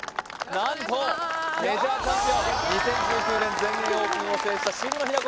何とメジャーチャンピオン２０１９年全英オープンを制した渋野日向子